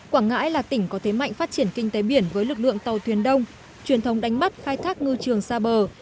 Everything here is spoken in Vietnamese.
quảng ngãi là tỉnh có thế mạnh phát triển kinh tế biển với lực lượng tàu thuyền đông truyền thống đánh bắt khai thác ngư trường xa bờ